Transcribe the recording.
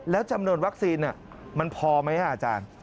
แล้วจำนวนวัคซีนมันพอไหมอาจารย์